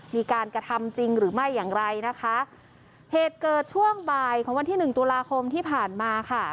มีการกระทำจริงหรือไม่อย่างไรนะคะเหตุเกิดช่วงบ่ายของวันที่หนึ่งตุลาคมที่ผ่านมาค่ะ